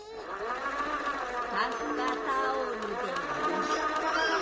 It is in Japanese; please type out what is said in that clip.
ふかふかタオルでむぎゅ。